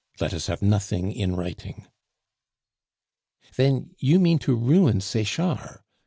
Let us have nothing in writing." "Then you mean to ruin Sechard?"